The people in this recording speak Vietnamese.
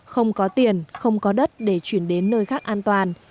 không có tiền không có đất để chuyển đến nơi khác an toàn